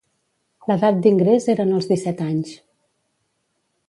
L'edat d'ingrés eren els disset anys.